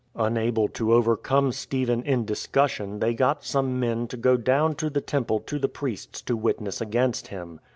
Unable to overcome Stephen in discussion they got some men to go down to the Temple to the priests to witness against him.